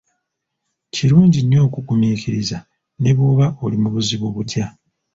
Kirungi nnyo okugumiikiriza ne bwoba oli mu buzibu butya.